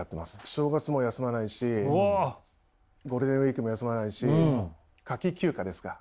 正月も休まないしゴールデンウイークも休まないし夏季休暇ですか？